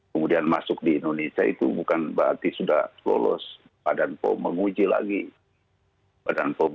kemudian masuk di indonesia itu bukan berarti sudah lolos badan pom menguji lagi badan pom